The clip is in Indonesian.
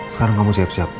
sekarang kamu siap siap